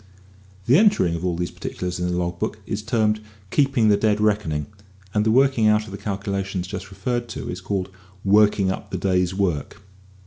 The entering of all these particulars in the log book is termed keeping the dead reckoning, and the working out of the calculations just referred to is called working up the days work.